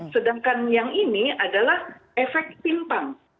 sedangkan yang ini adalah efek pimpang